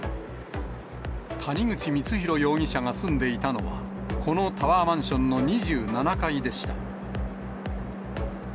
谷口光弘容疑者が住んでいたのは、このタワーマンションの２７階でした。